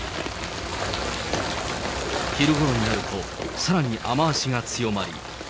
昼ごろになると、さらに雨足が強まり。